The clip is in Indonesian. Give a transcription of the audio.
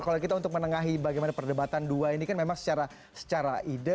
kalau kita untuk menengahi bagaimana perdebatan dua ini kan memang secara ide